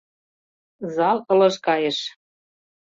Зал ылыж кайыш.